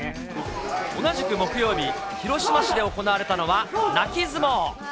同じく木曜日、広島市で行われたのは、泣き相撲。